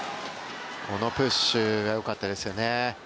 このプッシュがよかったですよね。